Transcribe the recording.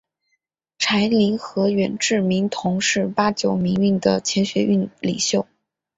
柴玲与远志明同是八九民运的前学运领袖。